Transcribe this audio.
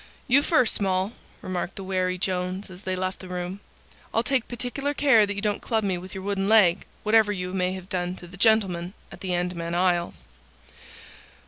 "You first, Small," remarked the wary Jones as they left the room. "I'll take particular care that you don't club me with your wooden leg, whatever you may have done to the gentleman at the Andaman Isles."